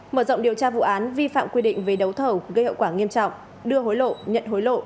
mở rộng điều tra vụ án vi phạm quy định về đấu thầu gây hậu quả nghiêm trọng đưa hối lộ nhận hối lộ